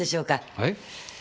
はい？